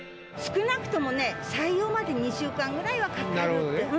少なくともね、採用まで２週間ぐらいはかかるって。